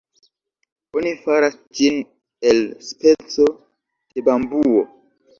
Oni faras ĝin el speco de bambuo.